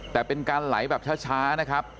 แต่เป็นการไหลแบบช้านะครับ